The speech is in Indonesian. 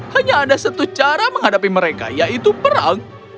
hanya ada satu cara menghadapi mereka yaitu perang